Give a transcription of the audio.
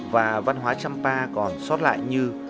và văn hóa trâm pa còn xót lại như